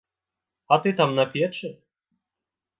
А ты там на печы?